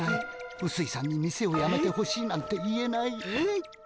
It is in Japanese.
うすいさんに店をやめてほしいなんて言えない。